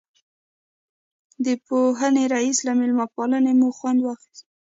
د پوهنې رئیس له مېلمه پالنې مو خوند واخیست.